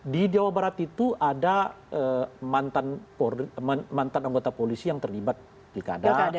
di jawa barat itu ada mantan anggota polisi yang terlibat pilkada